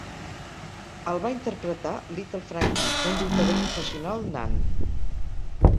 El va interpretar "Little Frankie", un lluitador professional nan.